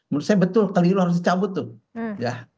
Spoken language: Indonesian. menurut saya betul kelilu harus dicabut tuh